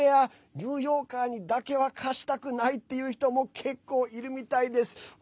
ニューヨーカーにだけは貸したくないっていう人も結構いるみたいです。